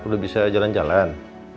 udah bisa jalan jalan